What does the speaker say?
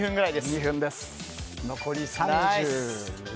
残り３６。